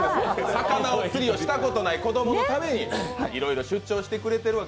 魚釣りをしたことのない子供のために出張してくれてる。